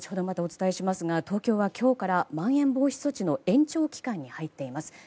またお伝えしますが東京は今日からまん延防止措置の延長期間に入っています。